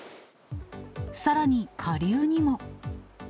さらに下流にも。